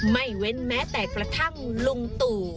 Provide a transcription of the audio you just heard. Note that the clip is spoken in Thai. ไม่เว้นแม้แต่กระทั่งลุงตู่